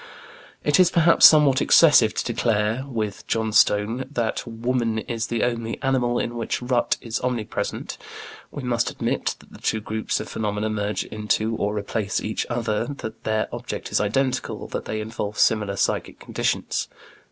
If it is, perhaps, somewhat excessive to declare, with Johnstone, that "woman is the only animal in which rut is omnipresent," we must admit that the two groups of phenomena merge into or replace each other, that their object is identical, that they involve similar psychic conditions.